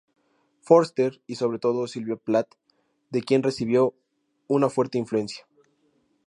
Forster y, sobre todo, Sylvia Plath, de quien recibió una fuerte influencia.